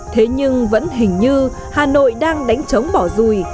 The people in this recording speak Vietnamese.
thế nhưng vẫn hình như hà nội đang đánh trống bỏ rùi